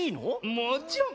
もちろん。